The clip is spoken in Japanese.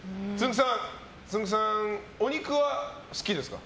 つんく♂さん、お肉は好きですか。